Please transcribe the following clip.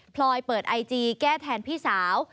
ลอยเปิดไอจีแก้แทนพี่สาว